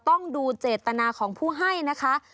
ต้องดูเจตนาของผู้ให้นะคะ